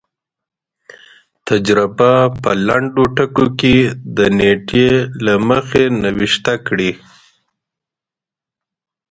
تجربه په لنډو ټکو کې د نېټې له مخې نوشته کړي.